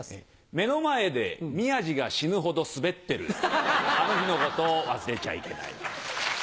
目の前で宮治が死ぬほどスベってるあの日の事を忘れちゃいけない。